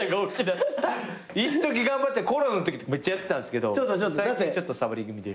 いっとき頑張ってコロナのときめっちゃやってたんですけど最近ちょっとサボり気味で。